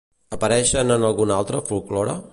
Apareixen en algun altre folklore?